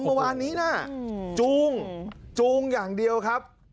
เมื่อวานนี้นะจูงจูงอย่างเดียวครับ